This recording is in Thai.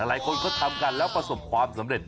หลายคนเขาทำกันแล้วประสบความสำเร็จ